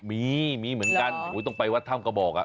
มีมีเหมือนกันต้องไปวัดถ้ำกระบอก